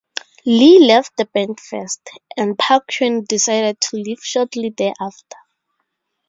Lee left the band first, and Paquin decided to leave shortly thereafter.